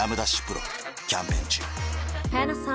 丕劭蓮キャンペーン中